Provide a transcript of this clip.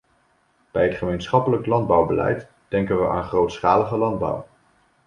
Bij het gemeenschappelijk landbouwbeleid denken we aan grootschalige landbouw.